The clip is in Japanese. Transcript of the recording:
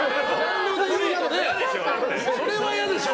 ってそれは嫌でしょ？